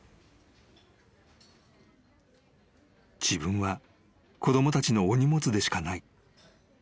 ［自分は子供たちのお荷物でしかない］